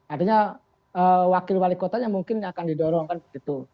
artinya wakil wali kotanya mungkin akan didorong kan begitu